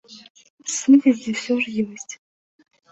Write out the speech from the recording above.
Сувязь усё ж ёсць.